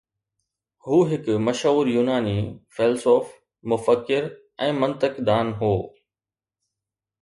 هُو هڪ مشهور يوناني فيلسوف، مفڪر ۽ منطق دان هو